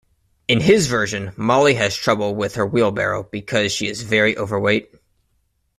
In his version Molly has trouble with her wheelbarrow because she is very overweight.